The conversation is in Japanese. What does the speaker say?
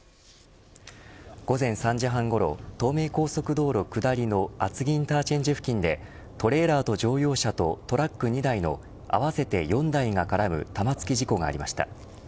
午前３時半ごろ東名高速道路下りの厚木インターチェンジ付近でトレーラーと乗用車とトラック２台の合わせて４台が絡む玉突き事故がありました。